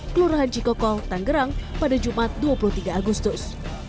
kelurahan cikokot tangerang pada jumat dua puluh tiga agustus